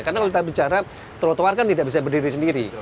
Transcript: karena kalau kita bicara trotoar kan tidak bisa berdiri sendiri